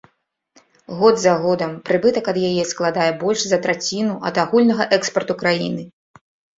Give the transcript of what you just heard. Год за годам прыбытак ад яе складае больш за траціну ад агульнага экспарту краіны.